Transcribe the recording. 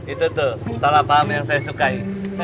itu tuh salah paham yang saya sukai